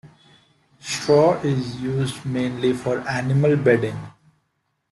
Straw is used mainly for animal bedding.